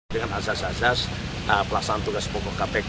dengan asas asas pelaksanaan tugas pokok kpk